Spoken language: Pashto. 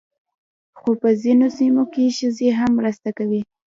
خو په ځینو سیمو کې ښځې هم مرسته کوي.